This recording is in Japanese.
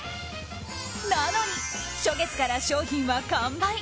なのに、初月から商品は完売。